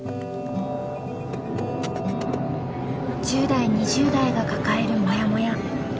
１０代２０代が抱えるモヤモヤ。